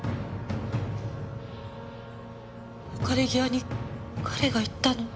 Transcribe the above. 別れ際に彼が言ったの。